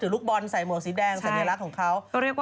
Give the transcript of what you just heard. ลูกบอลใส่หมวกสีแดงสัญลักษณ์ของเขา